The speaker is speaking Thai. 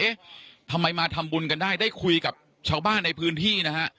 เอ๊ะทำไมมาทำบุญกันได้ได้คุยกับชาวบ้านในพื้นที่นะฮะ